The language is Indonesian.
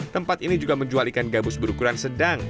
tempat ini juga menjual ikan gabus berukuran sedang